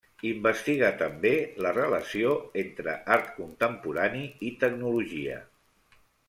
Investiga també la relació entre art contemporani i tecnologia.